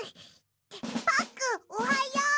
パックンおはよう！